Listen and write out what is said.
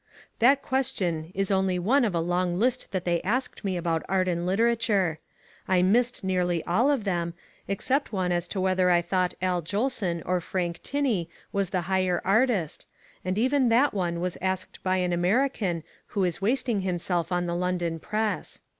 That question is only one of a long list that they asked me about art and literature. I missed nearly all of them, except one as to whether I thought Al Jolson or Frank Tinney was the higher artist, and even that one was asked by an American who is wasting himself on the London Press.